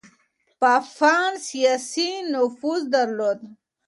پاپان سياسي نفوذ درلود.